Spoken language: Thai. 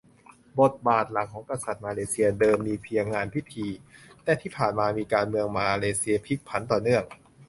บทบาทหลักของกษัตริย์มาเลเซียเดิมมีเพียงงานพิธี แต่ที่ผ่านมาที่การเมืองมาเลเซียผลิกผันต่อเนื่อง